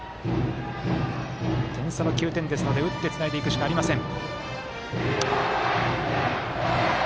点差は９点ですので打ってつないでいくしかありません。